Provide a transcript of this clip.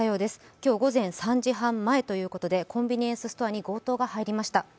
今日午前３時半前ということでコンビニエンスストアに強盗が入りました。